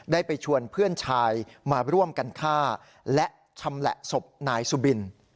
ได้ไปชวนเพื่อนชายมาร่วมกันฆ่าและชำแหละศพนายสุบิน